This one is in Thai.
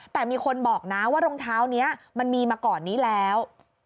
แต่มีคนบอกนะว่ารองเท้านี้มันมีมาก่อนนี้แล้ว